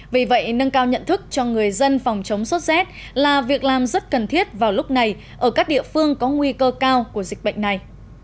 vì vậy nâng cao nhận thức cho người dân phòng chống sốt z là việc làm rất cần thiết vào lúc này ở các địa phương có nguy cơ cao của dịch bệnh này